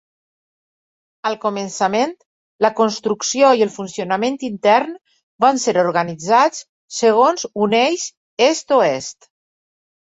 Al començament, la construcció i el funcionament intern van ser organitzats segons un eix est-oest.